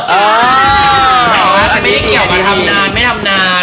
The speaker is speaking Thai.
อันนี้ไม่ได้เกี่ยวกับทำนานไม่ทำนาน